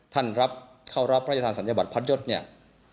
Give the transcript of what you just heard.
ท่านเข้ารับพระยธารศัลยบัตรพัทยศ